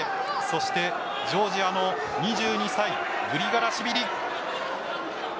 そしてジョージアの２２歳グリガラシビリ。